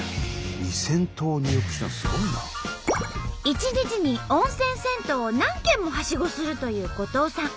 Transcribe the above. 一日に温泉銭湯を何軒もはしごするという後藤さん。